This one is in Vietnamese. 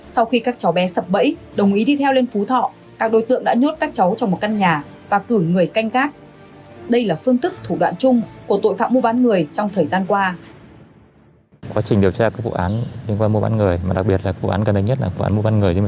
sau khi các cháu bé sập bẫy đồng ý đi theo lên phú thọ